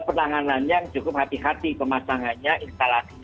penanganannya yang cukup hati hati pemasangannya instalasi